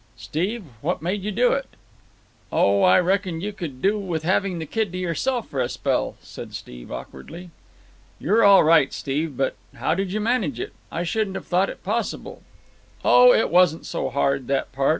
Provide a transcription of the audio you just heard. "Steve, what made you do it?" "Oh, I reckoned you could do with having the kid to yourself for a spell," said Steve awkwardly. "You're all right, Steve. But how did you manage it? I shouldn't have thought it possible." "Oh, it wasn't so hard, that part.